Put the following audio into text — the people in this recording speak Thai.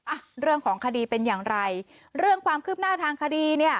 อ่ะเรื่องของคดีเป็นอย่างไรเรื่องความคืบหน้าทางคดีเนี่ย